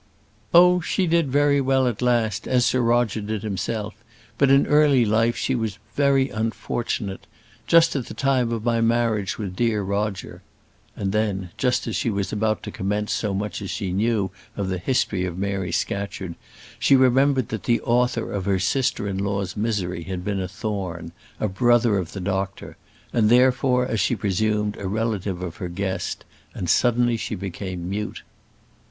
"Oh, she did very well at last, as Sir Roger did himself; but in early life she was very unfortunate just at the time of my marriage with dear Roger ," and then, just as she was about to commence so much as she knew of the history of Mary Scatcherd, she remembered that the author of her sister in law's misery had been a Thorne, a brother of the doctor; and, therefore, as she presumed, a relative of her guest; and suddenly she became mute.